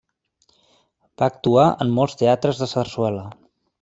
Va actuar en molts teatres de sarsuela.